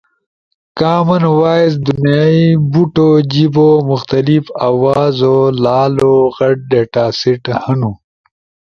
کامن وائس دونئی بوتو جیبو مختلف آوازو لالو غٹ ڈیٹاسیٹ ہنو